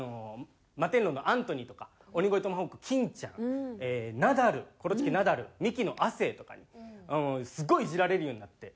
マテンロウのアントニーとか鬼越トマホークの金ちゃんナダルコロチキのナダルミキの亜生とかにすごいイジられるようになって。